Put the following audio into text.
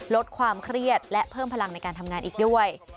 ลดความเครียดและเพิ่มพลังในการทำงานอีกด้วย